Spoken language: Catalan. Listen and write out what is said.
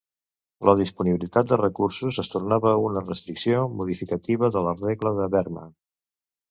La disponibilitat de recursos es tornava una restricció modificativa de la Regla de Bergmann.